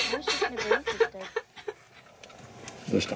どうした？